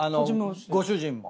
ご主人も。